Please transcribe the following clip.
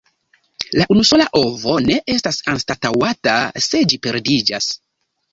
La unusola ovo ne estas anstataŭata se ĝi perdiĝas.